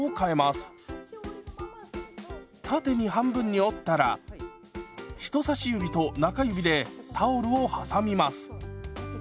縦に半分に折ったら人差し指と中指でタオルを挟みます。